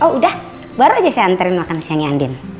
oh udah baru aja saya anterin makan siangnya andien